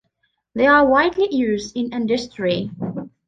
They are widely used in industry.